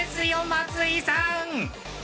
松井さん。